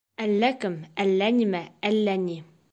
Әллә кем, әллә нимә, әллә ни